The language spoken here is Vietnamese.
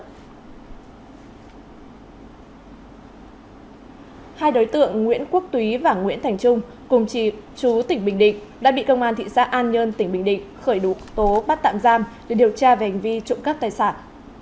hai đối tượng nguyễn quốc túy và nguyễn thành trung cùng chị chú tỉnh bình định đã bị công an thị xã an nhơn tỉnh bình định khởi đủ tố bắt tạm giam để điều tra về hành vi trộm cắp tài sản